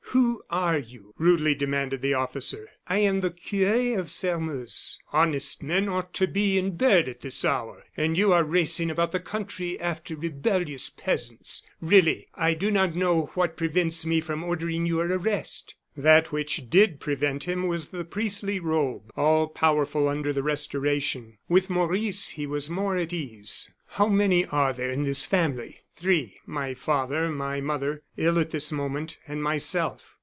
"Who are you?" rudely demanded the officer. "I am the cure of Sairmeuse." "Honest men ought to be in bed at this hour. And you are racing about the country after rebellious peasants. Really, I do not know what prevents me from ordering your arrest." That which did prevent him was the priestly robe, all powerful under the Restoration. With Maurice he was more at ease. "How many are there in this family?" "Three; my father, my mother ill at this moment and myself."